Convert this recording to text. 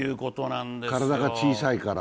体が小さいから。